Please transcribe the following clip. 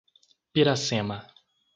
Piracema